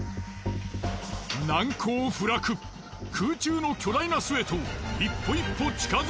難攻不落空中の巨大な巣へと一歩一歩近づいていく。